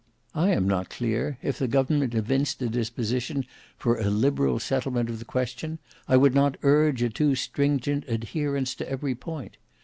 I am not clear if the government evinced a disposition for a liberal settlement of the question, I would not urge a too stringent adherence to every point.